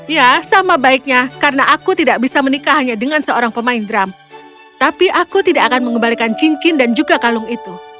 ya sama baiknya karena aku tidak bisa menikah hanya dengan seorang pemain drum tapi aku tidak akan mengembalikan cincin dan juga kalung itu